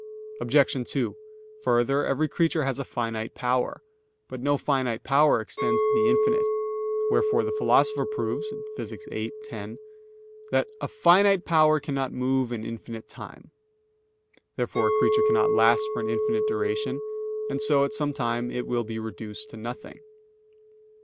Obj. 2: Further, every creature has a finite power. But no finite power extends to the infinite. Wherefore the Philosopher proves (Phys. viii, 10) that, "a finite power cannot move in infinite time." Therefore a creature cannot last for an infinite duration; and so at some time it will be reduced to nothing.